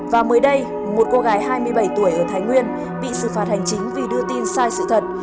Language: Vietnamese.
và mới đây một cô gái hai mươi bảy tuổi ở thái nguyên bị xử phạt hành chính vì đưa tin sai sự thật